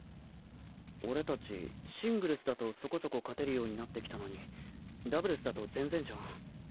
俺達シングルスだとそこそこ勝てるようになってきたのにダブルスだと全然じゃん？